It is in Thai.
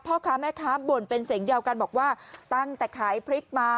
พ่อค้าแม่ค้าบ่นเป็นเสียงเดียวกันบอกว่าตั้งแต่ขายพริกมา